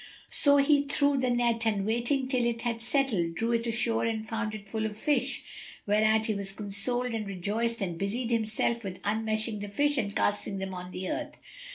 So he threw the net and waiting till it had settled, drew it ashore and found it full of fish, whereat he was consoled and rejoiced and busied himself with unmeshing the fish and casting them on the earth.